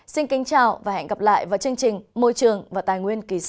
xin kính chào và hẹn gặp lại vào chương trình môi trường và tài nguyên kỳ sau